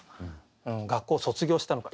学校を卒業したのか。